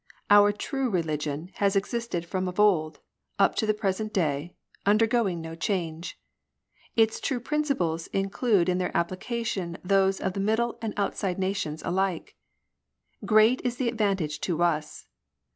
Our true religion has existed from of old, up to the present day, undergoing no change. Its true principles include in their application those of the middle and outside nations alike. Great is the advantage to us